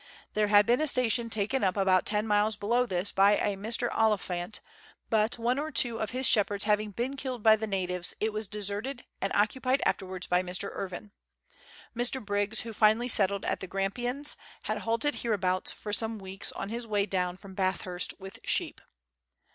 There had been a station taken up about ten miles below this by a Mr. Oliphant, but one or two of his shepherds having been killed by the natives it was deserted, and occupied afterwards by Mr. Irvine. Mr. Briggs, who finally settled at the Grampians, had halted hereabouts for some weeks on his way down from Bathurst with sheep.